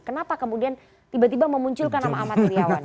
kenapa kemudian tiba tiba memunculkan nama amat heriawan